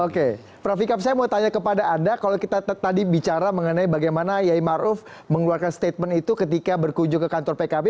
oke prof ikam saya mau tanya kepada anda kalau kita tadi bicara mengenai bagaimana yai maruf mengeluarkan statement itu ketika berkunjung ke kantor pkb